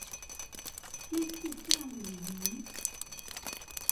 類似這樣的語言